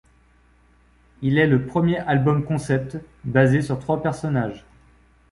Il est le premier album-concept, basé sur trois personnages.